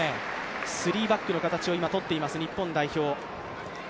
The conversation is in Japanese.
スリーバックの形を取っています、日本代表。